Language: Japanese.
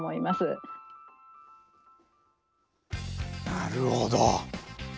なるほど。